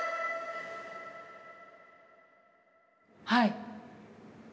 はい。